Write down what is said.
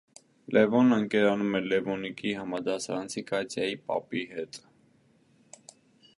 Լևոնը ընկերանում է Լևոնիկի համադասարանցի Կատյայի պապի հետ։